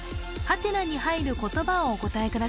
ハテナに入る言葉をお答え